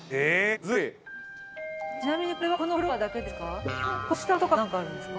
ちなみにこれはこのフロアだけですか？